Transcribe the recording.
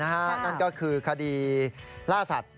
นั่นก็คือคดีล่าสัตว